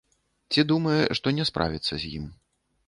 Ці думае, што не справіцца з ім.